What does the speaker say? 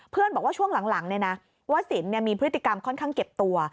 บอกว่าช่วงหลังว่าสินมีพฤติกรรมค่อนข้างเก็บตัว